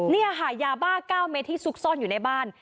นี่ค่ะยาบ้า๙เมตรที่ซุกซ่อนอยู่ในบ้าน